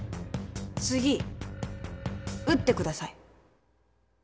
次撃ってください。